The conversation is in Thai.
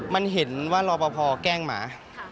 มันเห็นว่ารอปภแกล้งหมา